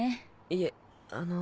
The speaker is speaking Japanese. いえあの。